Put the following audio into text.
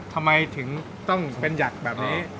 ทำไมถึงต้องเป็นหยักษ์แบบนี้